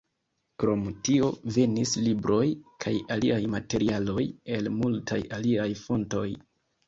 Krom tio, venis libroj kaj aliaj materialoj el multaj aliaj fontoj.